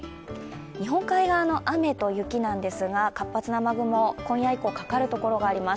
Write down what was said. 日本海側の雨と雪なんですが、活発な雨雲、今夜以降、かかるところがあります